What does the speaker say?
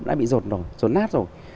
đã bị rột nát rồi